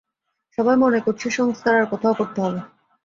সবাই মনে করছে, সংস্কার আর কোথাও করতে হবে।